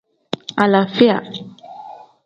Alaafiya.